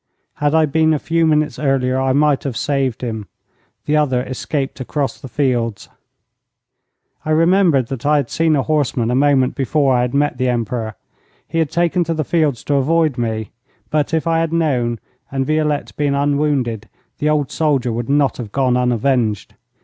Had I been a few minutes earlier, I might have saved him. The other escaped across the fields.' I remembered that I had seen a horseman a moment before I had met the Emperor. He had taken to the fields to avoid me, but if I had known, and Violette been unwounded, the old soldier would not have gone unavenged.